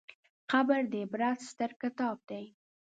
قبر د عبرت ستر کتاب دی.